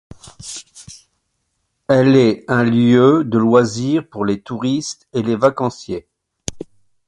Elle est un lieu de loisirs pour les touristes et les vacanciers.